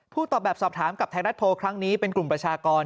ตอบแบบสอบถามกับไทยรัฐโพลครั้งนี้เป็นกลุ่มประชากร